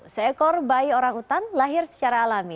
seekor bayi orang utan lahir secara alami